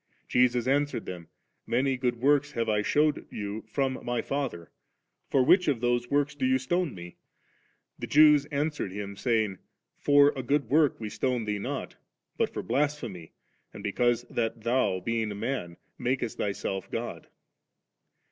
* Jesus * answered them, Many mod works have I shewed you from My Father, for which of those works do ye stone Me ? The Jews answered Him, saying. For a food work we stone Thee not, but for blas phemy, and because that Thou, being a man, nftakest Thyself God.